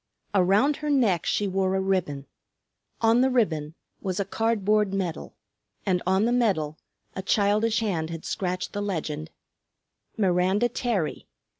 Around her neck she wore a ribbon; on the ribbon was a cardboard medal; and on the medal a childish hand had scratched the legend, _Miranda Terry.